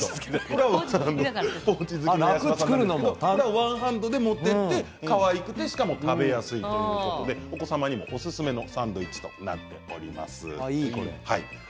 ワンハンドで持ててかわいくて、しかも食べやすいからお子さんにおすすめのサンドイッチになっています。